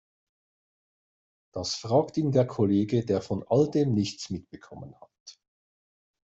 Das fragt ihn der Kollege, der von all dem nichts mitbekommen hat.